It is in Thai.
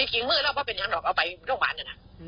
อีกกี่มือแล้วไม่เป็นยังหรอกเอาไปร่วงหวานอ่ะน่ะ